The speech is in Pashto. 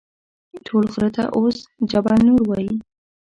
ټول غره ته اوس جبل نور وایي.